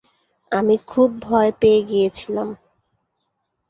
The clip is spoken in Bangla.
আমি খুব ভয়ে পেয়েগেছিলাম।